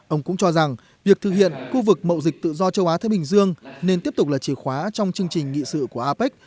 ông cũng cho rằng việc thực hiện khu vực mậu dịch tự do châu á thái bình dương nên tiếp tục là chìa khóa trong chương trình nghị sự của apec